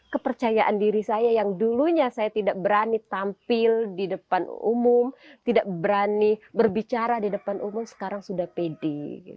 kepercayaan diri saya yang dulunya saya tidak berani tampil di depan umum tidak berani berbicara di depan umum sekarang sudah pede